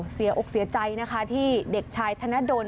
เสียอกเสียใจนะคะที่เด็กชายธนดล